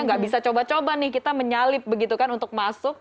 nggak bisa coba coba nih kita menyalip begitu kan untuk masuk